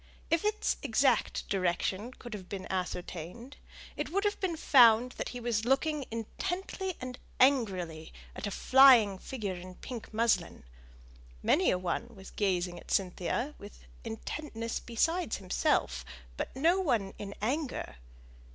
If its exact direction could have been ascertained, it would have been found that he was looking intently and angrily at a flying figure in pink muslin: many a one was gazing at Cynthia with intentness besides himself, but no one in anger.